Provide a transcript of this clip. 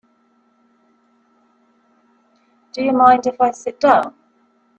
Do you mind if I sit down?